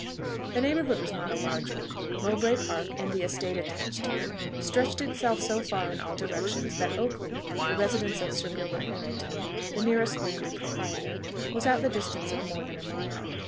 The neighbourhood was not a large one: Mowbray Park, and the estate attached to it, stretched itself so far in all directions, that Oakley, the residence of Sir Gilbert Harrington, the nearest landed proprietor, was at the distance of more than a mile.